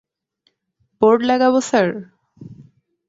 Board লাগাবো sir?